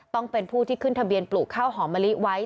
ต้องเป็นผู้ที่ขึ้นทะเบียนปลูกข้าวหอมมะลิไว้